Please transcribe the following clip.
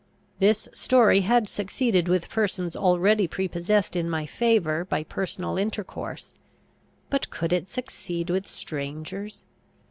This story had succeeded with persons already prepossessed in my favour by personal intercourse; but could it succeed with strangers?